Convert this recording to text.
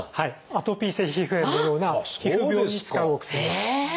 アトピー性皮膚炎のような皮膚病に使うお薬です。